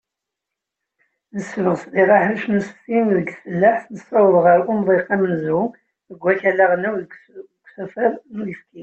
Nessebɣes diɣ aḥric n usefti deg tfellaḥt, nessaweḍ ɣar umḍiq amenzu deg wakal aɣelnaw deg usafar n uyefki.